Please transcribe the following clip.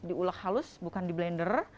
diulek halus bukan di blender